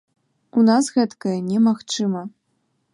У нас гэткае немагчыма.